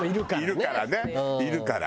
いるからねいるから。